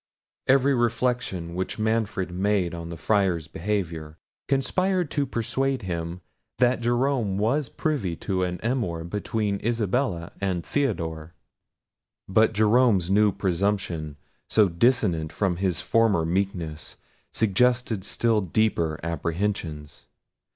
Every reflection which Manfred made on the Friar's behaviour, conspired to persuade him that Jerome was privy to an amour between Isabella and Theodore. But Jerome's new presumption, so dissonant from his former meekness, suggested still deeper apprehensions.